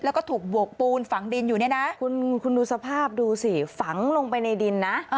แล้วก็ถูกบวกปูนฝังดินอยู่เนี่ยนะคุณดูสภาพดูสิฝังลงไปในดินนะ